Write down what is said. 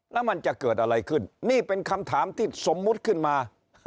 แล้วมันจะเกิดอะไรขึ้นนี่เป็นคำถามที่สมมุติขึ้นมา